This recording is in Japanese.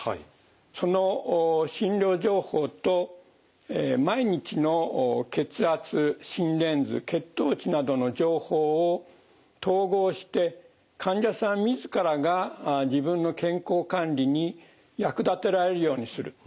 その診療情報と毎日の血圧心電図血糖値などの情報を統合して患者さん自らが自分の健康管理に役立てられるようにする。